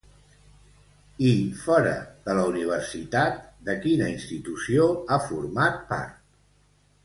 I fora de la universitat, de quina institució ha format part?